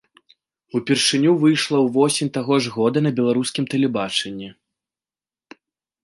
Упершыню выйшла ўвосень таго ж года на беларускім тэлебачанні.